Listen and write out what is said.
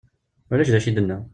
Ulac d acu i d-tenna.